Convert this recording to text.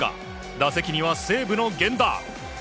打席には西武の源田。